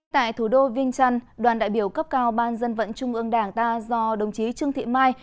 tại thủ đô viên trăn đoàn đại biểu cấp cao ban dân vận trung ương đảng ta do đồng chí trương thị mai